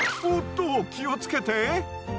おっと気を付けて。